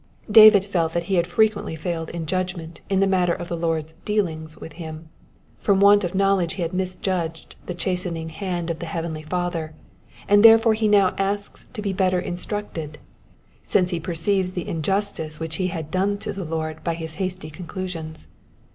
David felt that he had frequently failed in judg ment in the matter of the Lord's dealings with him : from want of know ledge he had misjudged the chastening hand of the heavenly Father, and therefore he now asks to be better instructed, since he perceives the injustice which he had done to the Lord by his hasty conclusions.